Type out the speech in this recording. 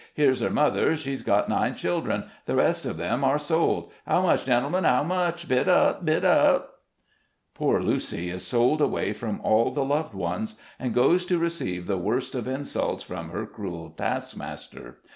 Here's her mother; she's had nine children ; the rest of them are sold. How much, gentlemen — how much? Bid up! bid up!" Poor Lucy is sold away from all the loved ones, and goes to receive the worst of insults from her cruel task master.